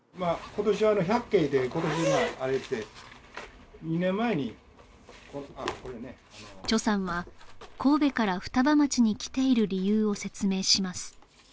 今年は百景で今年今あれして２年前にあっこれねさんは神戸から双葉町に来ている理由を説明します